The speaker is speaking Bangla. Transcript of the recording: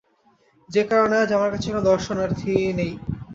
যে-কারণে আজ আমার কাছে কোনো দর্শনাধী নেই।